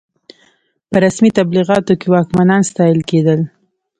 په رسمي تبلیغاتو کې واکمنان ستایل کېدل.